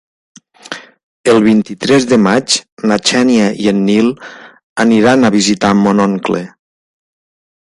El vint-i-tres de maig na Xènia i en Nil aniran a visitar mon oncle.